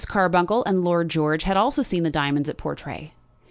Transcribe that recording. Carbuncle and Lord George had also seen the diamonds at Portray.